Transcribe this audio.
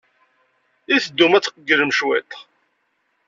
I teddum ad tqeyylem cwiṭ?